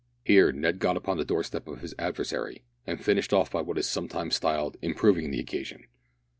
Here Ned got upon the door step of his adversary, and finished off by what is sometimes styled "improving the occasion."